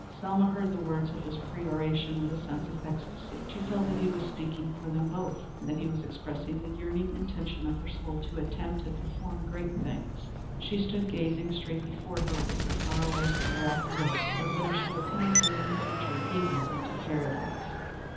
Selma heard the words of this peroration with a sense of ecstasy. She felt that he was speaking for them both, and that he was expressing the yearning intention of her soul to attempt and perform great things. She stood gazing straight before her with her far away, seraph look, as though she were penetrating the future even into Paradise.